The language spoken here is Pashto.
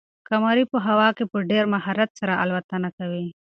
قمري په هوا کې په ډېر مهارت سره الوتنه کوي.